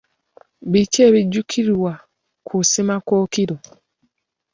Biki ebijjukirwa ku Ssemakookiro?